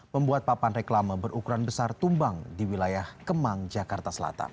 membuat papan reklama berukuran besar tumbang di wilayah kemang jakarta selatan